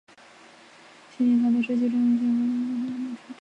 新礼堂的设计正象征着那艘带领年青人渡过充满挑战的前路的船只。